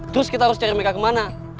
terus kita harus cari mereka kemana